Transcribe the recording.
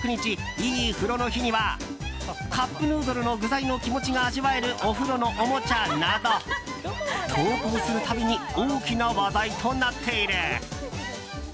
いい風呂の日にはカップヌードルの具材の気持ちが味わえるお風呂のおもちゃなど投稿する度に大きな話題となっている。